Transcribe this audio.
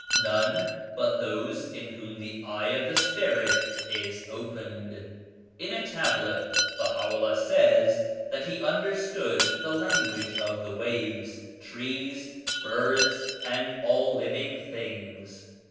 None but those in whom the Eye of the Spirit is opened. In a Tablet, Baha'u'llah says that He understood the language of the waves, trees, birds and all living things.